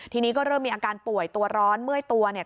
ทีนี้ก็เริ่มมีอาการป่วยตัวร้อนเมื่อยตัวเนี่ย